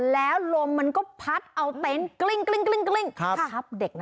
และลมมันก็พัดออกเต้น